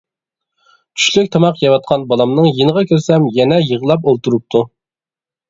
چۈشلۈك تاماق يەۋاتقان بالامنىڭ يېنىغا كىرسەم يەنە يىغلاپ ئولتۇرۇپتۇ.